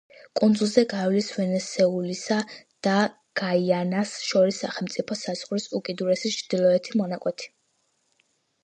კუნძულზე გაივლის ვენესუელასა და გაიანას შორის სახელმწიფო საზღვრის უკიდურესი ჩრდილოეთი მონაკვეთი.